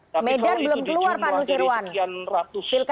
tapi kalau itu di jumlah dari sekian ratus